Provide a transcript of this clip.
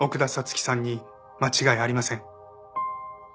月さんに間違いありません。